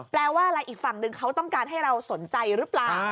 แปลว่าอะไรอีกฝั่งหนึ่งเขาต้องการให้เราสนใจหรือเปล่า